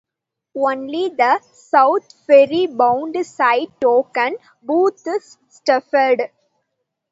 Only the South Ferry-bound side token booth is staffed.